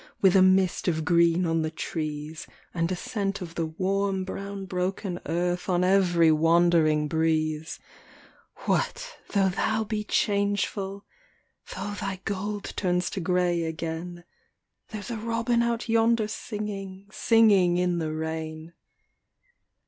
With a mist of green on the trees And a scent of the warm brown broken earth On every wandering breeze; What, though thou be changeful, Though thy gold turns to grey again, There's a robin out yonder singing, Singing in the rain.